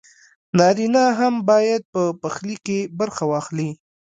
نارينه هم بايد په پخلي کښې برخه واخلي